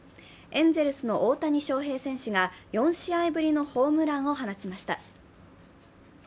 エンゼルスの大谷翔平選手が４試合ぶりのホームランを放ちました。